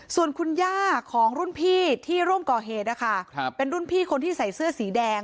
ส่วนคุณย่าของรุ่นพี่ที่ร่วมก่อเหตุนะคะเป็นรุ่นพี่คนที่ใส่เสื้อสีแดง